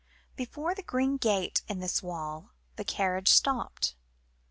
Before the green gate in this wall, the carriage stopped.